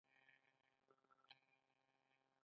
هغه د اوسپنې پټلۍ د مینډلینډ په لور پرې کړه.